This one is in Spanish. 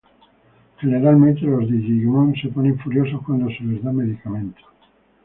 Generalmente, los Digimon se ponen furiosos cuando se les da medicamentos.